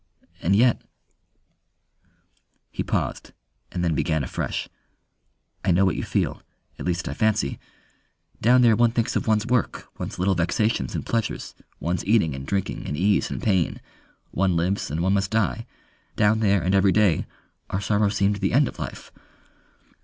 And yet ..." He paused, and then began afresh. "I know what you feel. At least I fancy.... Down there one thinks of one's work, one's little vexations and pleasures, one's eating and drinking and ease and pain. One lives, and one must die. Down there and everyday our sorrow seemed the end of life....